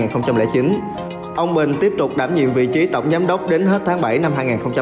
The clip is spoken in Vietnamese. trong năm hai nghìn chín ông bình tiếp tục đảm nhiệm vị trí tổng giám đốc đến hết tháng bảy năm hai nghìn một mươi ba